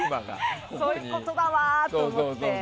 そういうことだわって思って。